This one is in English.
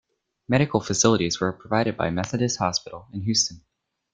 Medical facilities were provided by Methodist Hospital in Houston.